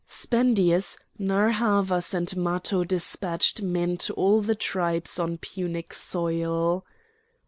Spendius, Narr' Havas, and Matho despatched men to all the tribes on Punic soil.